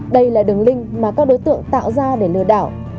đây là đường link mà các đối tượng tạo ra để lừa đảo